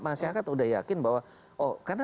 masyarakat udah yakin bahwa oh karena